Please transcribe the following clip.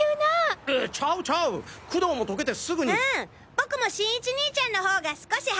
僕も新一兄ちゃんの方が少し早。